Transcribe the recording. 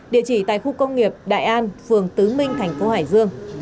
địa chỉ tại khu công nghiệp đại an phường tứ minh thành phố hải dương